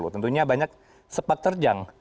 tentunya banyak sepak terjang